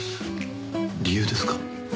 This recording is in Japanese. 理由ですか？